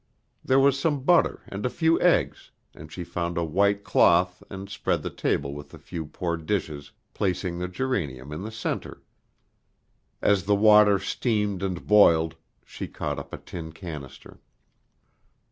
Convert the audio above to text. There was some butter and a few eggs, and she found a white cloth and spread the table with the few poor dishes, placing the geranium in the centre. As the water steamed and boiled, she caught up a tin canister.